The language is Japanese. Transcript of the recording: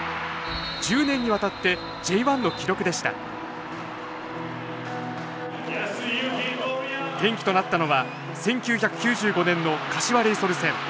１０年にわたってＪ１の記録でした転機となったのは１９９５年の柏レイソル戦。